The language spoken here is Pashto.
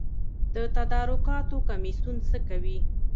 د تدارکاتو کمیسیون څه کوي؟